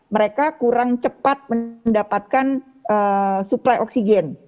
mereka kurang cepat mendapatkan suplai oksigen